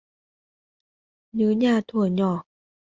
Nhớ nhà thửa nhỏ